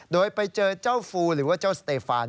โดยไปเจอเจ้าฟูหรือว่าเจ้าสเตฟาน